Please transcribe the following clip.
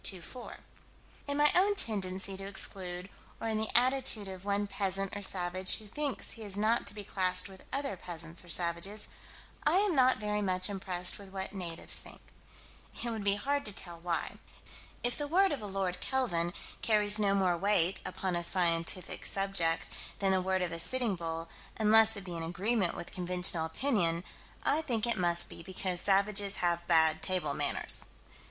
In my own tendency to exclude, or in the attitude of one peasant or savage who thinks he is not to be classed with other peasants or savages, I am not very much impressed with what natives think. It would be hard to tell why. If the word of a Lord Kelvin carries no more weight, upon scientific subjects, than the word of a Sitting Bull, unless it be in agreement with conventional opinion I think it must be because savages have bad table manners.